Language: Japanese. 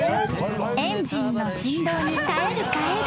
［エンジンの振動に耐えるカエル］